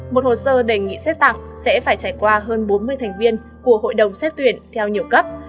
một hồ sơ đề nghị xét tặng sẽ phải trải qua hơn bốn mươi thành viên của hội đồng xét tuyển theo nhiều cấp